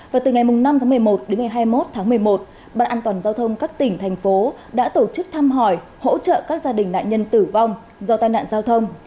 và từ ngày năm tháng một mươi một đến ngày hai mươi một tháng một mươi một ubndgq đã tổ chức thăm hỏi hỗ trợ các gia đình nạn nhân tử vong do tai nạn giao thông